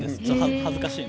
恥ずかしいな。